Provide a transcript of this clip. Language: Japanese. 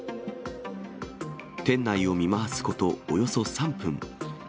店内を見回すこと、およそ３分。